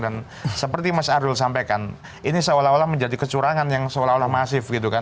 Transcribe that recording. dan seperti mas arul sampaikan ini seolah olah menjadi kecurangan yang seolah olah masif gitu kan